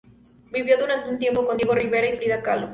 Vivió durante un tiempo con Diego Rivera y Frida Kahlo.